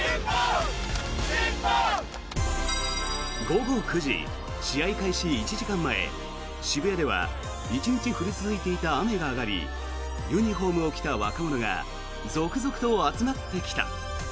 午後９時、試合開始１時間前渋谷では１日降り続いていた雨が上がりユニホームを着た若者が続々と集まってきた。